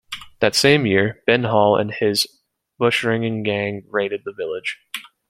That same year, Ben Hall and his bushranging gang raided the village.